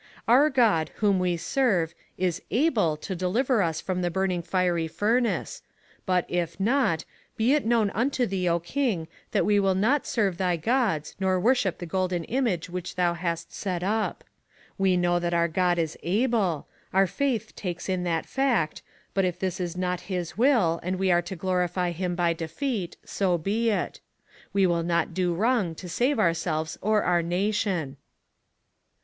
' Our God, whom we serve, is able to deliver us from the burning fiery fur nace, ... but if not, be it known unto thee, O king, that we will not serve thy gods, nor worship the golden image which thou hast set up.' We know that our God is able; our faith takes in that fact, but if this is not his will, and we are to glorify him by defeat, so be it ; we will not do wrong to save ourselves or our nation."